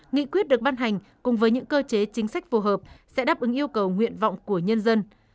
nghị quyết được ban hành cùng với những cơ chế chính sách phù hợp sẽ đáp ứng yêu cầu nguyện vọng của nhân dân